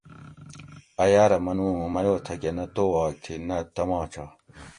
اٞ یاٞرہ منُو اُوں میو تھکٞہ نہ توواک تھی نہ تماچہ